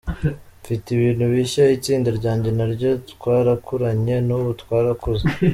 Mfite ibintu bishya, itsinda ryanjye naryo twarakuranye, n’ubu twarakuze.